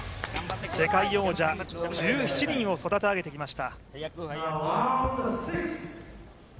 世界王者１７人を育て上げてきました。